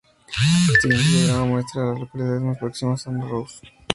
El siguiente diagrama muestra a las localidades más próximas a Narrows.